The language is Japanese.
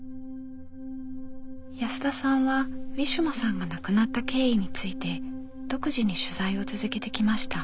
安田さんはウィシュマさんが亡くなった経緯について独自に取材を続けてきました。